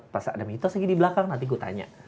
pas ada mitos lagi di belakang nanti gue tanya